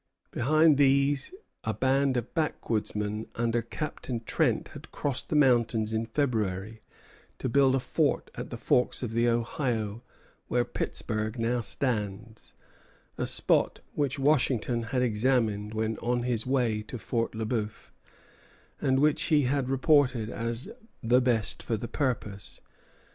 Besides these, a band of backwoodsmen under Captain Trent had crossed the mountains in February to build a fort at the forks of the Ohio, where Pittsburg now stands, a spot which Washington had examined when on his way to Fort Le Bœuf, and which he had reported as the best for the purpose.